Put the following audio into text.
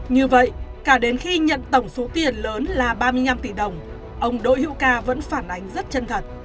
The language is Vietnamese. như vậy cả đến khi nhận tổng số tiền lớn là ba mươi năm tỷ đồng ông đỗ hữu ca vẫn phản ánh rất chân thật